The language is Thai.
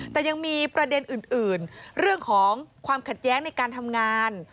แต่ยังมีประเด็นอื่นเรื่องของความขัดแย้งในการทำงาน